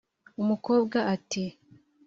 umukobwa ati